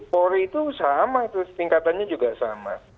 por itu sama itu setingkatannya juga sama